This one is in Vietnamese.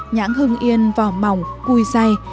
nhãn hương yên vỏ mỏng cùi dày